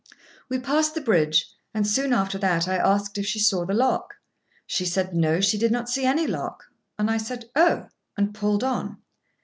We passed the bridge, and soon after that I asked if she saw the lock. She said no, she did not see any lock; and I said, "Oh!" and pulled on.